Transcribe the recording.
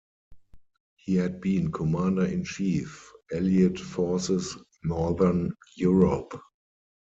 He had been Commander-in-Chief, Allied Forces Northern Europe.